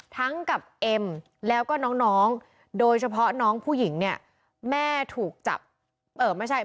ทั้งกับเอ็มแล้วก็น้องโดยเฉพาะน้องผู้หญิงเนี่ย